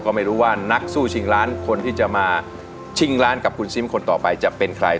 ก็ไม่รู้ว่านักสู้ชิงล้านคนที่จะมาชิงล้านกับคุณซิมคนต่อไปจะเป็นใคร